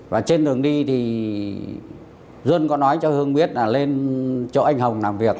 và trên đường đi thì duân có nói cho hương biết là lên chỗ anh hồng làm việc